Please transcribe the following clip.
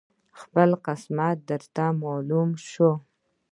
خپل قسمت درته معلوم شو